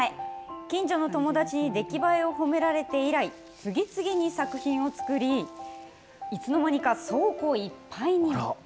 近所の友達に出来栄えを褒められて以来、次々に作品を作り、いつの間にか倉庫いっぱいに。